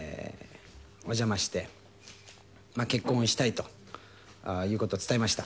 お邪魔して結婚をしたいということを伝えました。